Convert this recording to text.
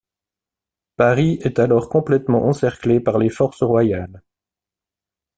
Paris est alors complètement encerclé par les forces royales.